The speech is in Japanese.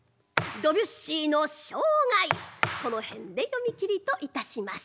ドビュッシーの生涯この辺で読み切りといたします。